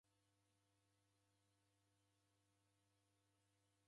Andu konyuya chofi kwafungwa.